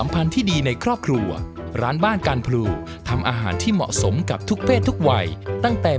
ไปเลยทำเลยสั่งเลย